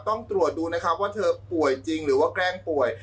ต้องตรวจดูนะครับว่าเธอป่วยจริงหรือว่าแกล้งป่วย